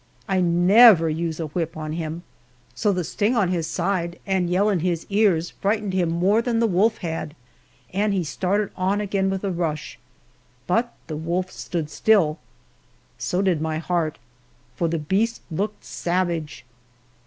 I never use a whip on him, so the sting on his side and yell in his ears frightened him more than the wolf had, and he started on again with a rush. But the wolf stood still so did my heart for the beast looked savage.